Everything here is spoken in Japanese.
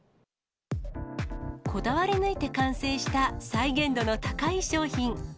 こだわり抜いて完成した再現度の高い商品。